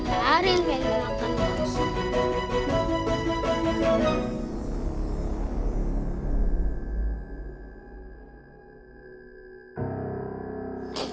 karin yang makan bakso